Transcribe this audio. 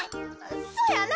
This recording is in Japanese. そやな。